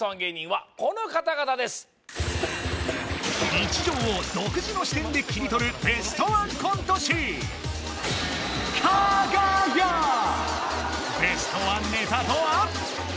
日常を独自の視点で切り取るベストワンコント師ベストワンネタとは？